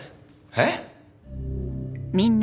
えっ！？